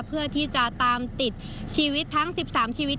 เพื่อที่จะตามติดชีวิตทั้ง๑๓ชีวิต